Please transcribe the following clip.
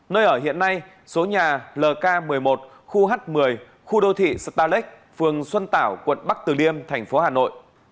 nơi ở hiện nay số nhà lk một mươi một khu h một mươi khu đô thị spalex phường xuân tảo quận bắc từ liêm thành phố hà nội